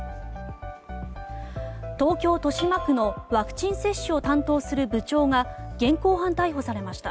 東京・豊島区のワクチン接種を担当する部長が現行犯逮捕されました。